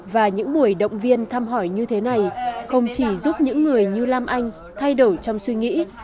và những buổi động viên thăm hỏi như thế này không chỉ giúp những người như lam anh thay đổi trong suy nghĩ